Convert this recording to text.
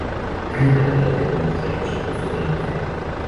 Es la encargada de administrar los recursos de la nación.